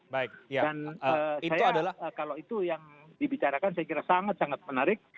dan saya kalau itu yang dibicarakan saya kira sangat sangat menarik